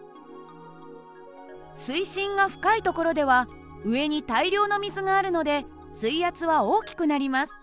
水深が深い所では上に大量の水があるので水圧は大きくなります。